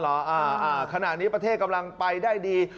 อ่าขณะนี้ประเทศกำลังไปได้ดี